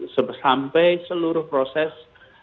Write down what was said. sampai seluruh proses